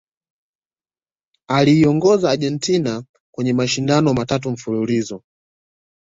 aliiongoza Argentina kwenye mashindano matatu mfululizo